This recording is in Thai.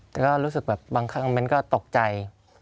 แต่ก็รู้สึกแบบบางคอมเมนต์ก็ตกใจ